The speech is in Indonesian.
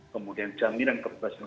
kemudian jaminan keberhasilan